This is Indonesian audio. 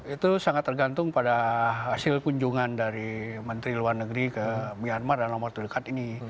itu sangat tergantung pada hasil kunjungan dari menteri luar negeri ke myanmar dalam waktu dekat ini